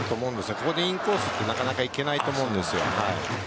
ここでインコースってなかなかいけないと思うんです。